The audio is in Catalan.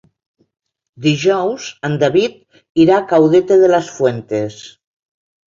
Dijous en David irà a Caudete de las Fuentes.